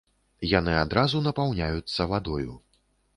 Яны адразу напаўняюцца вадою.